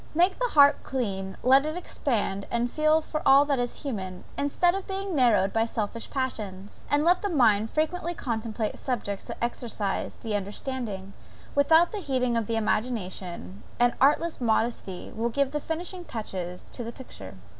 Make the heart clean, let it expand and feel for all that is human, instead of being narrowed by selfish passions; and let the mind frequently contemplate subjects that exercise the understanding, without heating the imagination, and artless modesty will give the finishing touches to the picture.